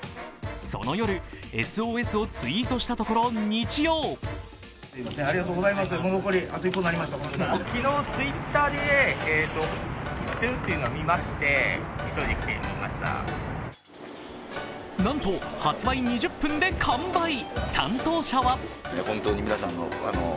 その夜、ＳＯＳをツイートしたところ、日曜なんと発売２０分で完売。